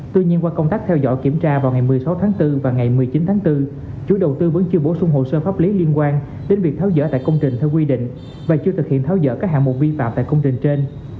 tuy nhiên qua công tác theo dõi kiểm tra vào ngày một mươi sáu tháng bốn và ngày một mươi chín tháng bốn chủ đầu tư vẫn chưa bổ sung hồ sơ pháp lý liên quan đến việc tháo dở tại công trình theo quy định và chưa thực hiện tháo dỡ các hạng mục vi phạm tại công trình trên